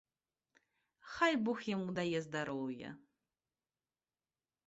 Хай бог яму дае здароўя.